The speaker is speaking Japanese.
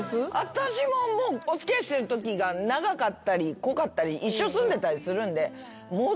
私もお付き合いしてるときが長かったり濃かったり一緒に住んでたりするんで。